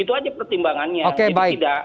itu saja pertimbangannya